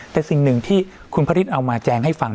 แต่สิ่งหนึ่งที่คุณพระฤทธิ์เอามาแจงให้ฟัง